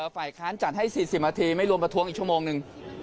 ฝ่ายค้านจัดให้๔๐นาทีไม่รวมประท้วงอีกชั่วโมงหนึ่ง